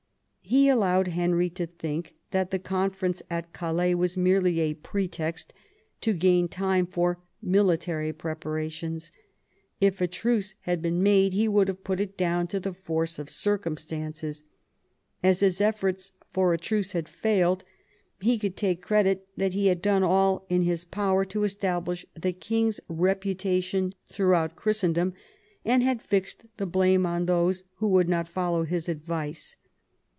He allowed Henry to think that the con ference at Calais was merely a pretext to gain time for military preparations; if a truce had been made he would have put it down to the force of circumstances ; as his efforts for a truce had failed, he could take credit that he had done all in his power to establish the king's reputation throughout Christendom, and had fixed the blame on those who would not follow his advice.